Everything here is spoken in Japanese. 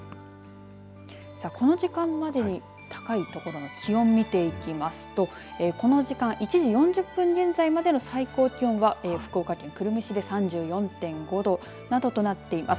この時間までに高い所の気温を見ていきますとこの時間、１時４０分現在までの最高気温は福岡県久留米市で３４．５度などとなっています。